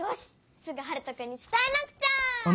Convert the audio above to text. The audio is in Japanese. すぐハルトくんにつたえなくちゃ。